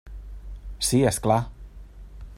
Sí, és clar.